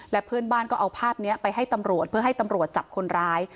และเพื่อนบ้านก็เอาภาพนี้ไปให้ตำรวจเพื่อให้ตำรวจจับคนร้าย